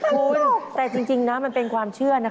คุณโดยสกแต่จริงนะเป็นความเชื่อนะคะ